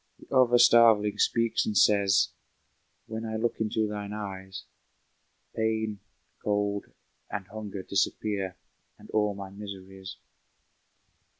The other starveling speaks and says, "When I look into thine eyes Pain, cold and hunger disappear, And all my miseries."